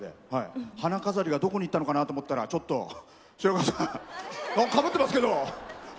花飾りがどこにいったのかなと思ったら白川さん、かぶってますけど。